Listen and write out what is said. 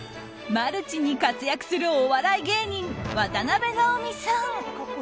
マルチに活躍するお笑い芸人渡辺直美さん。